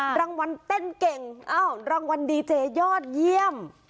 รางวัลเต้นเก่งอ้าวรางวัลดีเจยอดเยี่ยม